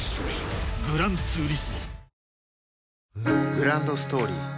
グランドストーリー